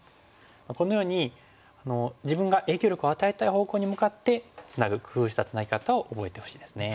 このように自分が影響力を与えたい方向に向かってツナぐ工夫したツナギ方を覚えてほしいですね。